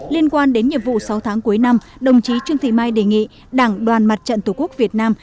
liên quan đến nhiệm vụ sáu tháng cuối năm đồng chí trương thị mai đề nghị đảng đoàn mặt trận tổ quốc việt nam